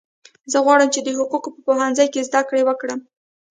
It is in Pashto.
زه غواړم چې د حقوقو په پوهنځي کې زده کړه وکړم